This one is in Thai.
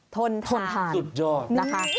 ทนทานสุดยอดนะคะอุปสรรคที่เกินทนหลอมคนให้